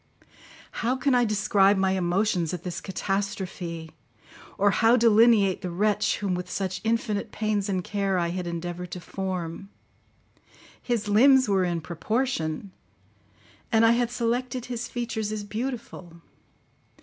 How can I describe my emotions at this catastrophe, or how delineate the wretch whom with such infinite pains and care I had endeavoured to form? His limbs were in proportion, and I had selected his features as beautiful.